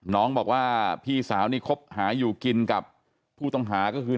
น้องบอกว่าพี่สาวนี่คบหาอยู่กินกับผู้ต้องหาก็คือ